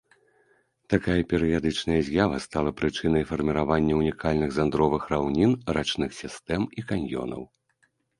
Такая перыядычная з'ява стала прычынай фарміравання унікальных зандровых раўнін, рачных сістэм і каньёнаў.